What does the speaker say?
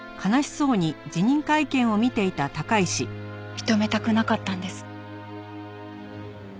認めたくなかったんです。